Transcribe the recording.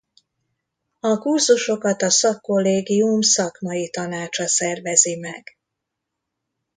A kurzusokat a szakkollégium Szakmai Tanácsa szervezi meg.